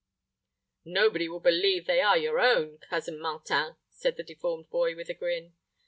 "Nobody will believe they are your own, Cousin Martin," said the deformed boy, with a grin.